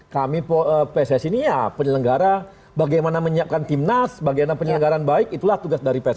kami pssi ini ya penyelenggara bagaimana menyiapkan timnas bagaimana penyelenggaran baik itulah tugas dari pssi